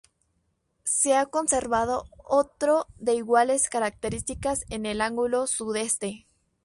Se ha conservado otro de iguales características en el ángulo sudeste.